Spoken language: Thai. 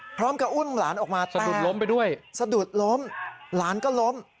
พร้อมกับอุ่มหลานออกมาแต่สะดุดล้มหลานก็ล้ม